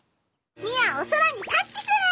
ミアおそらにタッチする！